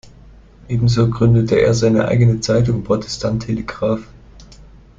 Ebenso gründete er seine eigene Zeitung, "Protestant Telegraph".